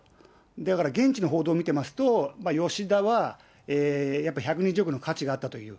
だから、現地の報道見てますと、吉田はやっぱり１２０億の価値があったという。